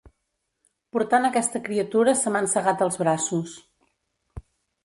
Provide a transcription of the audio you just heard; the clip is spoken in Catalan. Portant aquesta criatura se m'han segat els braços.